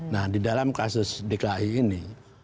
nah di dalam kasus dki ini